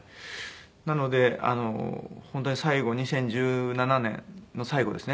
なので本当に最後２０１７年の最後ですね。